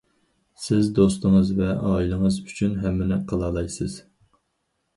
سىز دوستىڭىز ۋە ئائىلىڭىز ئۈچۈن ھەممىنى قىلالايسىز.